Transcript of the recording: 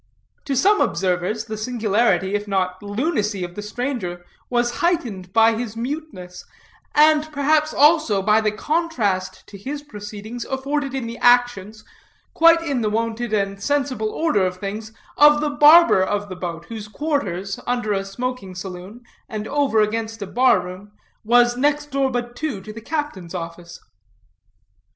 To some observers, the singularity, if not lunacy, of the stranger was heightened by his muteness, and, perhaps also, by the contrast to his proceedings afforded in the actions quite in the wonted and sensible order of things of the barber of the boat, whose quarters, under a smoking saloon, and over against a bar room, was next door but two to the captain's office.